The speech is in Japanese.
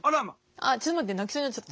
あっちょっと待って泣きそうになっちゃった。